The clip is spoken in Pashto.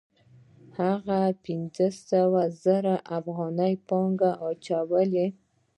هغه پنځه سوه زره افغانۍ پانګه اچوي